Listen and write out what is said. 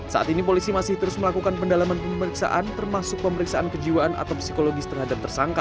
saat ini polisi masih terus melakukan pendalaman pemeriksaan termasuk pemeriksaan kejiwaan atau psikologis terhadap tersangka